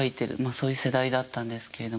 そういう世代だったんですけれども。